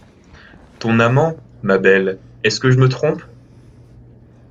Ton amant, ma belle ; est-ce que je me trompe ?